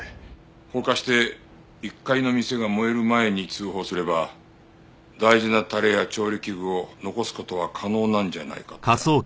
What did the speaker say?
放火して１階の店が燃える前に通報すれば大事なタレや調理器具を残す事は可能なんじゃないかってな。